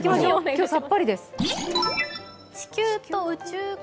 今日、さっぱりです。